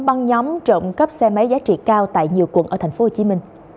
băng nhóm trộm cắp xe máy giá trị cao tại nhiều quận ở tp hcm